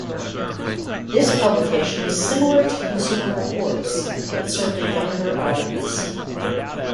This publication was similar to "Consumer Reports" but served a younger audience.